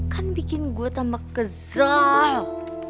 kan bikin gue tambah kesal